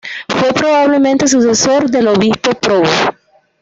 Fue probablemente sucesor del obispo Probo.